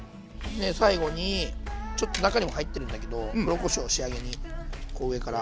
最後にちょっと中にも入ってるんだけど黒こしょう仕上げにこう上から。